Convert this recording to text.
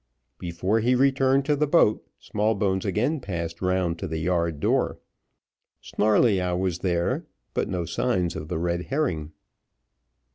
Before he returned to the boat, Smallbones again passed round to the yard door. Snarleyyow was there, but no signs of the red herring.